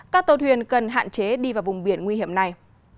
các tàu thuyền cần hạn chế đi vào vùng biển nguy hiểm này